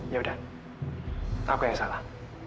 ya udah apa yang salah